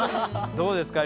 どうですか？